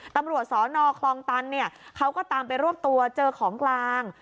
ตำรวจสนคลองตันเนี่ยเขาก็ตามไปรวบตัวเจอของกลาง